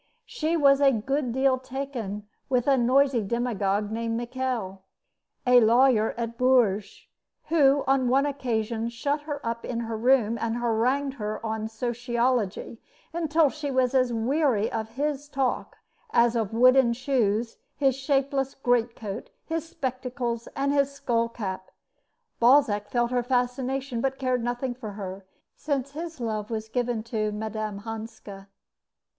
She was a good deal taken with a noisy demagogue named Michel, a lawyer at Bourges, who on one occasion shut her up in her room and harangued her on sociology until she was as weary of his talk as of his wooden shoes, his shapeless greatcoat, his spectacles, and his skull cap, Balzac felt her fascination, but cared nothing for her, since his love was given to Mme. Hanska.